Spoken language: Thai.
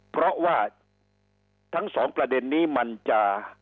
เพราะว่าทั้งสองประเด็นนี้มันจะ